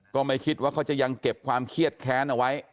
ก็ไม่คิดว่าเขาจะยังเก็บความเครียดแค้นเอาไว้